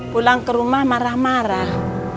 pulang ke rumah marah marah